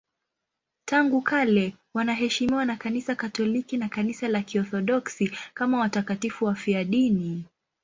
Tangu kale wanaheshimiwa na Kanisa Katoliki na Kanisa la Kiorthodoksi kama watakatifu wafiadini.